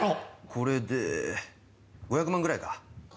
これで５００万ぐらいか？